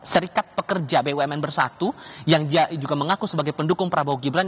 serikat pekerja bumn bersatu yang juga mengaku sebagai pendukung prabowo gibran